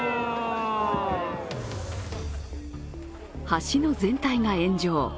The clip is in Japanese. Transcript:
橋の全体が炎上